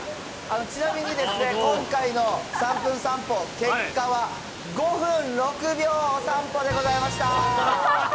ちなみにですね、今回の３分散歩、結果は５分６秒散歩でございました。